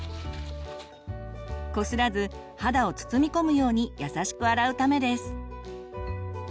こすらず肌を包みこむようにやさしく洗うためです。